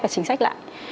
và chính sách lại